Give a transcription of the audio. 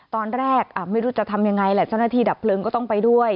ตอนแรกไม่รู้จะทำยังไงแหละเจ้าหน้าที่ดับเพลิงก็ต้องไปด้วย